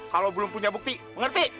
kalau belum punya bukti mengerti